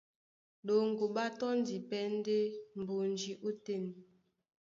Ɗoŋgo ɓá tɔ́ndi pɛ́ ɗɛ́ mbonji ótên.